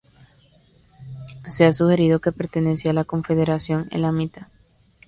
Se ha sugerido que pertenecía a la confederación elamita.